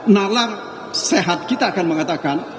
nalam sehat kita akan mengatakan